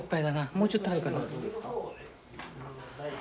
もうちょっと入るかな。